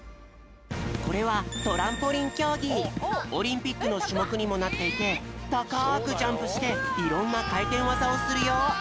これはオリンピックのしゅもくにもなっていてたかくジャンプしていろんなかいてんわざをするよ。